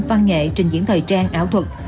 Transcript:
văn nghệ trình diễn thời trang ảo thuật